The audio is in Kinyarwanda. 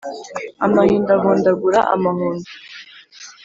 amahindu ahondagura amahundo